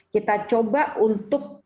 kita coba untuk